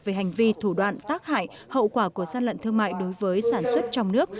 về hành vi thủ đoạn tác hại hậu quả của gian lận thương mại đối với sản xuất trong nước